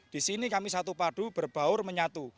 di sini kami satu padu berbaur menyatu